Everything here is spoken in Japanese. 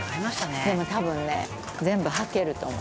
でも多分ね全部はけると思う。